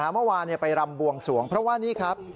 เมื่อวานไปรำบวงสวงเพราะว่านี่ครับ